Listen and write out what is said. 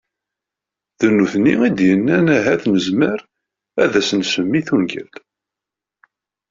D nutenti i d-yennan ahat nezmer ad as-nsemmi tungalt.